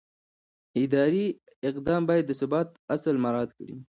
اداري اقدام باید د ثبات اصل مراعت کړي.